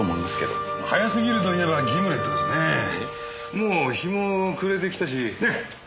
もう日も暮れてきたしね。